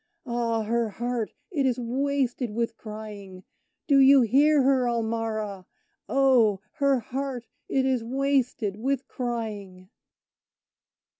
Ah! her heart it is wasted with crying Do you hear her, Ulmarra? Oh! her heart it is wasted with crying!